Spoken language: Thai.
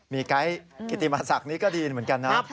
มีไก๊กิติมาศักดิ์นี้ก็ดีเหมือนกันนะ